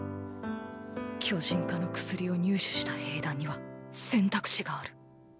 巨人化の薬を入手した兵団には選択肢がある。